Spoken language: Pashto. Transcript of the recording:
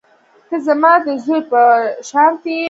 ته زما د زوى په شانتې يې.